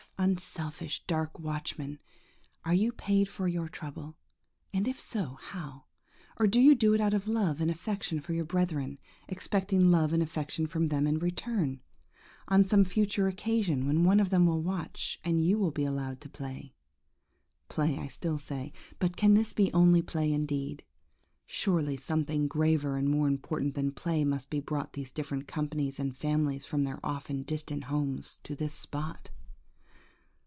Unselfish, dark watchman, are you paid for your trouble, and if so, how? Or do you do it out of love and affection for your brethren, expecting love and affection from them in return, on some future occasion, when one of them will watch, and you be allowed to play? Play, I still say; but can this be only play indeed? Surely something graver and more important than play must have brought these different companies and families from their often distant homes, to this spot?